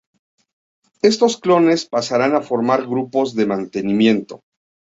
Estos clones pasarán a formar grupos de mantenimiento.